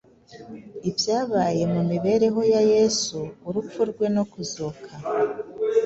Ibyabaye mu mibereho ya Yesu, urupfu rwe no kuzuka,